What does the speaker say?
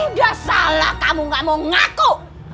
udah salah kamu gak mau ngaku